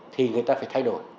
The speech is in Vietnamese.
thì người ta phải thay đổi